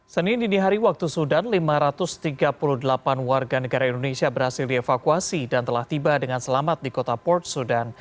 senin dini hari waktu sudan lima ratus tiga puluh delapan warga negara indonesia berhasil dievakuasi dan telah tiba dengan selamat di kota port sudan